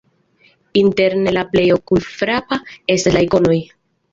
Interne la plej okulfrapa estas la ikonoj.